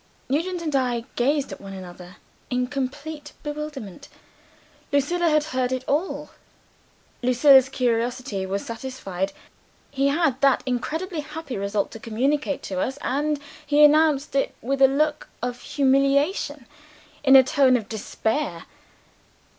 Nugent and I gazed at one another, in complete bewilderment. Lucilla had heard it all; Lucilla's curiosity was satisfied. He had that incredibly happy result to communicate to us and he announced it with a look of humiliation, in a tone of despair!